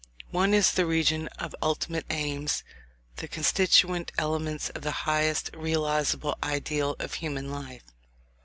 One is the region of ultimate aims; the constituent elements of the highest realizable ideal of human life.